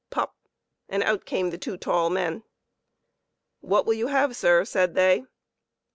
pop ! and out came the two tall men. "What will you have, sir?" said they.